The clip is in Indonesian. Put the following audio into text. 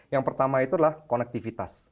yang pertama itulah konektivitas